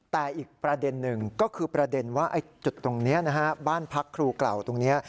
แต่อีกประเด็นหนึ่งก็คือประเด็นว่าจุดตรงนี้นะฮะบ้านพักครูเก่าตรงนี้